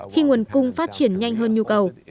khi nguồn cung phát triển nhanh hơn nhu cầu